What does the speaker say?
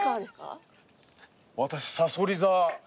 私さそり座。